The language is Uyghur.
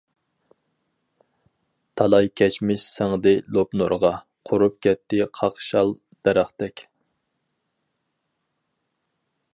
تالاي كەچمىش سىڭدى لوپنۇرغا، قۇرۇپ كەتتى قاقشال دەرەختەك.